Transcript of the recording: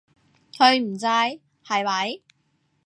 佢唔制，係咪？